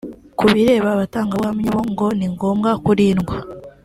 Ku bireba abatangabuhamya bo ngo ni ngombwa kurindwa